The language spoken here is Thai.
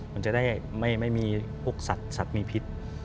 มันจะได้ไม่มีพวกสัตว์มีพิษ